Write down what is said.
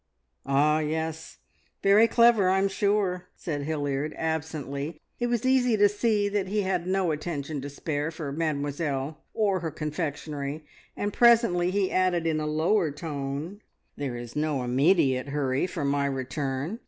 "Ah, yes! Very clever, I'm sure," said Hilliard absently. It was easy to see that he had no attention to spare for Mademoiselle or her confectionery, and presently he added in a lower tone, "There is no immediate hurry for my return.